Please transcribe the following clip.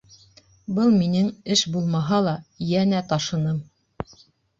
Был минең эш булмаһа ла, йәнә ташыным.